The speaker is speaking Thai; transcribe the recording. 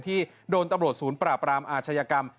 ที่โดนตำรวจศูนย์ปราบรามอาชญากรรม